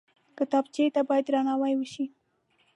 کتابچه ته باید درناوی وشي